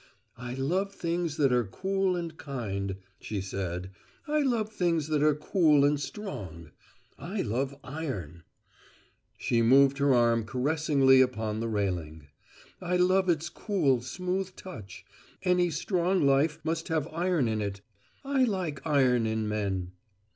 "I love things that are cool and kind," she said. "I love things that are cool and strong. I love iron." She moved her arm caressingly upon the railing. "I love its cool, smooth touch. Any strong life must have iron in it. I like iron in men."